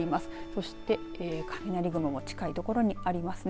そして雷雲も近い所にありますね。